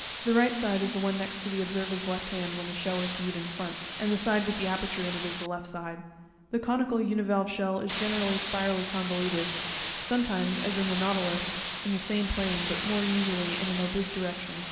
The right side is the one next the observer's left hand, when the shell is viewed in front; and the side with the aperture in it, is the left side. The conical univalve shell is generally spirally convoluted ; sometimes, as in the nautilus (figs. 15 and 16), in the same 94 PARTS OF UNIVALVE SHELLS. plane, but more usually in an oblique direction.